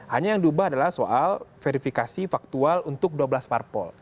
hanya yang diubah adalah soal verifikasi faktual untuk dua belas parpol